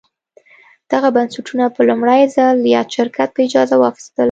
دغه بنسټونه په لومړي ځل یاد شرکت په اجاره واخیستل.